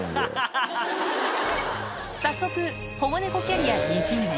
早速、保護猫キャリア２０年。